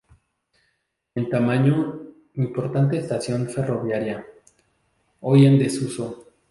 En antaño, importante estación ferroviaria, hoy en desuso.